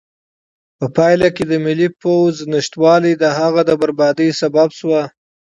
په پایله کې د ملي پوځ نشتوالی د هغه د بربادۍ لامل شو.